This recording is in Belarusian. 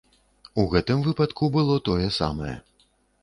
У гэтым выпадку было тое самае.